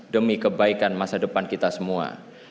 demi kebaikan masa depan kita semua